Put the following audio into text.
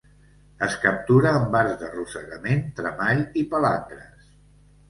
Es captura amb arts d'arrossegament, tremall i palangres.